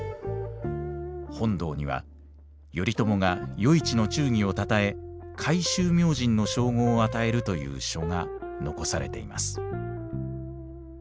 本堂には頼朝が与一の忠義をたたえ魁秀明神の称号を与えるという書が残されています。